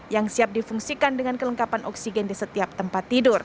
yang siap difungsikan dengan kelengkapan oksigen di setiap tempat tidur